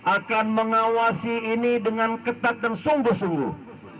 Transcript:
akan mengawasi ini dengan ketat dan sungguh sungguh